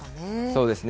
そうですね。